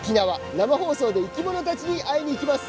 生放送で生き物たちに会いに行きます。